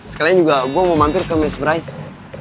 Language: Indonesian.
sekalian juga gue mau mampir ke miss brise